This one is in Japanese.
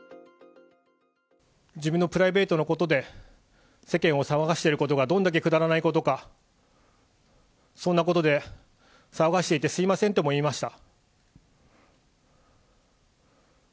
自分のプライベートのことで世間を騒がせていることがどんだけくだらないことか、そんなことで騒がしていてすみませんとも言いました。